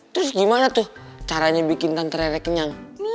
terus gimana tuh caranya bikin tante reret kenyang